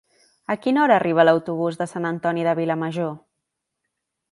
A quina hora arriba l'autobús de Sant Antoni de Vilamajor?